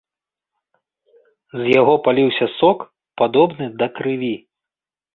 З яго паліўся сок, падобны да крыві.